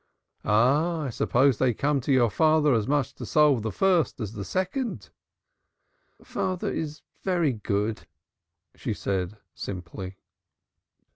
"Ah, I suppose they come to your father as much to solve the first as the second." "Father is very good," she said simply.